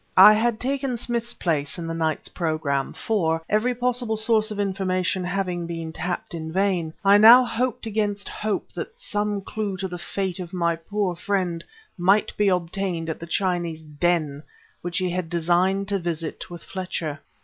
I had taken Smith's place in the night's program; for, every possible source of information having been tapped in vain, I now hoped against hope that some clue to the fate of my poor friend might be obtained at the Chinese den which he had designed to visit with Fletcher.